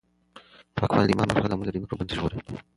پاکوالی د ایمان برخه ده او موږ له ډېرو میکروبونو څخه ژغوري.